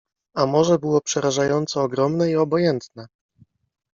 A morze było przerażająco ogromne i obojętne.